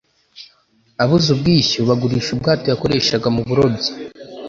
Abuze ubwishyu bagurisha ubwato yakoreshaga mu burobyi